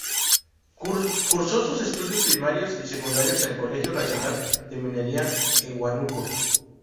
Cursó sus estudios primarios y secundarios en el Colegio Nacional de Minería en Huánuco.